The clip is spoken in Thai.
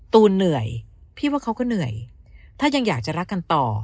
ตูนเหนื่อยพี่ว่าเขาก็เหนื่อยถ้ายังอยากจะรักกันต่อ